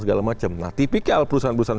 segala macam nah tipikal perusahaan perusahaan